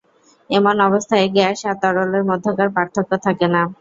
এমন অবস্থায়, গ্যাস আর তরলের মধ্যকার পার্থক্য থাকে না।